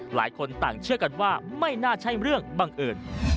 หลายคนต่างเชื่อกันว่าไม่น่าใช่เรื่องบังเอิญ